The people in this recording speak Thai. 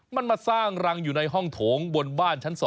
มันมาสร้างรังอยู่ในห้องโถงบนบ้านชั้น๒